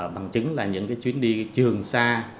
bằng chứng là những chuyến đi trường xa